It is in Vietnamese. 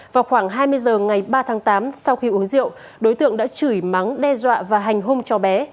vào khoảng hai mươi giờ ngày ba tháng tám sau khi uống rượu đối tượng đã chửi mắng đe dọa và hành hôn cho bé